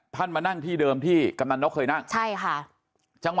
ท่านมานั่งที่เดิมที่กำนันนกเคยนั่ง